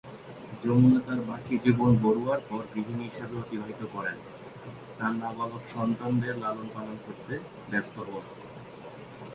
যমুনা তার বাকি জীবন বরুয়ার পর গৃহিণী হিসেবে অতিবাহিত করেন, তার নাবালক সন্তানদের লালন-পালন করতে ব্যস্ত হোন।